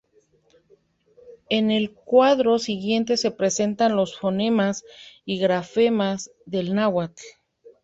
En el cuadro siguiente se presentan los fonemas y grafemas del náhuatl.